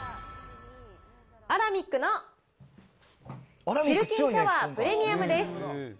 アラミックのシルキンシャワー・プレミアムです。